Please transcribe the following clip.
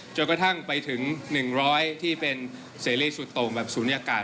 จนกระทั่งไปถึง๑๐๐ที่เป็นเสรีสุดโต่งแบบศูนยากาศ